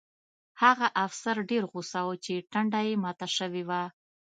هغه افسر ډېر غوسه و چې ټنډه یې ماته شوې وه